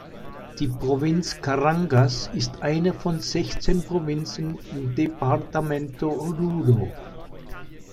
Die Provinz Carangas ist eine von sechzehn Provinzen im Departamento Oruro.